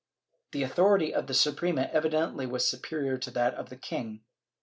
^ The authority of the Suprema evidently was superior to that of the king.